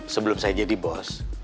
sebelum saya jadi bos